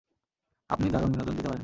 আপনি দারুণ বিনোদন দিতে পারেন।